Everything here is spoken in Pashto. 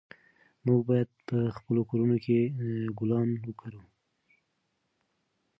موږ باید په خپلو کورونو کې ګلان وکرلو.